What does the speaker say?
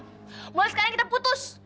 mulai sekarang kita putus